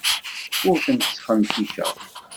Ur tent-sxenticeɣ.